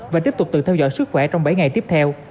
và tiếp tục tự theo dõi sức khỏe trong bảy ngày tiếp theo